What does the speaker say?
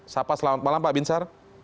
sapa selamat malam pak binsar